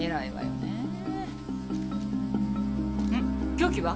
凶器は？